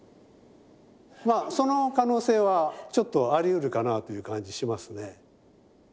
その可能性はちょっとありうるかなという感じしますね。